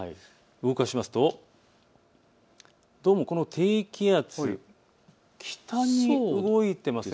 動かしますと、どうもこの低気圧、北に動いてます。